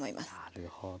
なるほど。